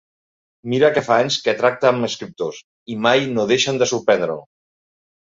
Mira que fa anys que tracta amb escriptors i mai no deixen de sorprendre'l.